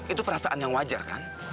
itu perasaan yang wajar kan